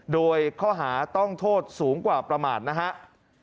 โดยข้อหาต้องโทษสูงกว่าประมาทนะครับ